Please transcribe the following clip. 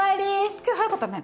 今日早かったね。